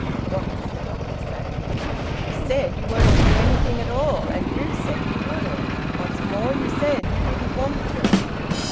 "What did the doctor say?" "He said you weren't to do anything at all. And you said you wouldn't. What's more, you said you didn't want to."